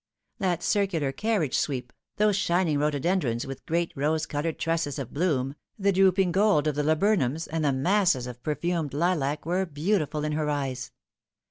That circular carriage s weep, those shining rhododendrons with great rose coloured trusses of bloom, the drooping gold of the laburnums, and the masses of perfumed lilac, were beautiful in her eyes.